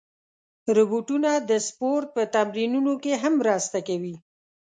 روبوټونه د سپورت په تمرینونو کې هم مرسته کوي.